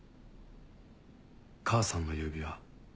母さんの指輪。